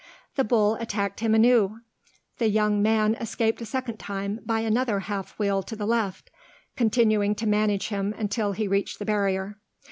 The bull attacked him anew; the young man escaped a second time by another half wheel to the left, continuing to manage him until he reached the barrier.